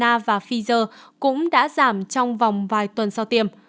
hiệu quả mũi vaccine tăng cường của cả moderna và pfizer cũng đã giảm trong vòng vài tuần sau tiêm